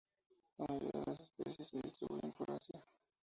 La mayoría de las especies se distribuyen por Asia.